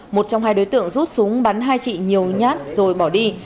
một trong hai đối tượng rút súng bắn hai chị nhiều nhát rồi bỏ đi